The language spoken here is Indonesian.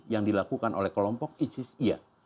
yang dilakukan oleh kelompok isis iya